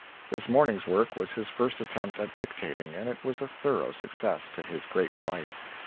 This morning's work was his first attempt at dictating, and it was a thorough success, to his great delight.